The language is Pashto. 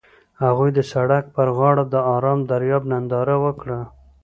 هغوی د سړک پر غاړه د آرام دریاب ننداره وکړه.